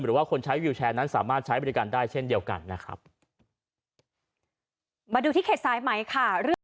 หรือว่าคนใช้วิวแชร์นั้นสามารถใช้บริการได้เช่นเดียวกันนะครับมาดูที่เขตสายไหมค่ะเรื่อง